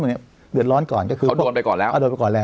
วันนี้เดือดร้อนก่อนก็คือเขาโดนไปก่อนแล้วโดนไปก่อนแล้ว